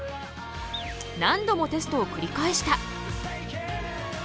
何度もテストをくり返した。